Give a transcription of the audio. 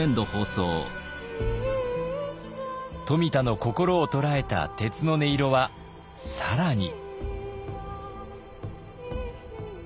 冨田の心を捉えた鉄の音色は更に。